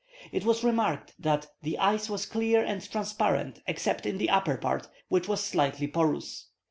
It was remarked that "the ice was clear and transparent except in the upper part, which was slightly porous."